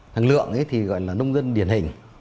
thằng lượng ấy thì gọi là nông dân điển hình